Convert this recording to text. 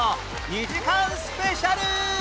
２時間スペシャル